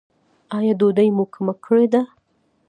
ایا ډوډۍ مو کمه کړې ده؟